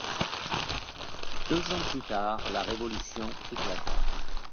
Deux ans plus tard, la révolution éclata.